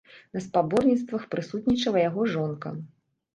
На спаборніцтвах прысутнічала яго жонка.